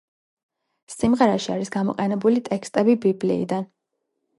სიმღერაში არის გამოყენებული ტექსტები ბიბლიიდან.